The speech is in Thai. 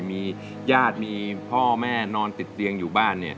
มีญาติมีพ่อแม่นอนติดเตียงอยู่บ้านเนี่ย